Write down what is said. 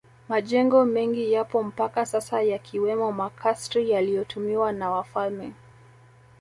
Majengo mengi yapo mpaka sasa yakiwemo makasri yaliyotumiwa na wafalme